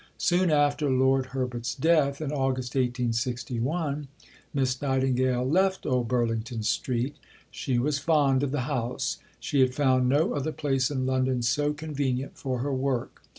Soon after Lord Herbert's death in August 1861, Miss Nightingale left Old Burlington Street. She was fond of the house. She had found no other place in London so convenient for her work.